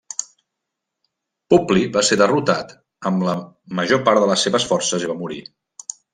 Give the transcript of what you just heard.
Publi va ser derrotat amb la major part de les seves forces i va morir.